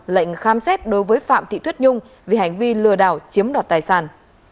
lệnh khám xét đối với phạm thị tuyết nhung vì hành vi lừa đảo chiếm đoạt tài sản